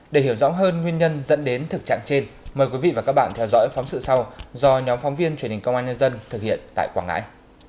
để hiểu rõ hơn nguyên nhân dẫn đến thực trạng trên mời quý vị và các bạn theo dõi phóng sự sau do nhóm phóng viên truyền hình công an nhân dân thực hiện tại quảng ngãi